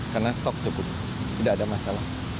karena stok cukup tidak ada masalah